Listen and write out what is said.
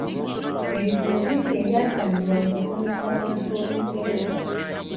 Ebizibu bingi ebyasangibwa mu kusomesa abantu Olungereza.